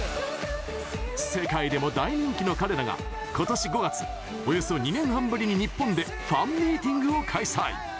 世界でも大人気の彼らがことし５月およそ２年半ぶりに日本でファンミーティングを開催。